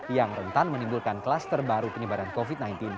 yang rentan menimbulkan kelas terbaru penyebaran covid sembilan belas